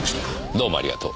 どうもありがとう。